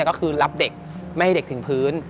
ก็คือรับเด็กไม่ให้เด็กถึงพื้น